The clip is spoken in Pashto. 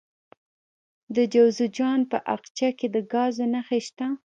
د جوزجان په اقچه کې د ګازو نښې شته.